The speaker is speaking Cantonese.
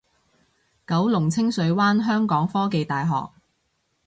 九龍清水灣香港科技大學